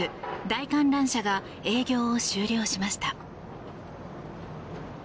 大観覧車が営業を終了しました。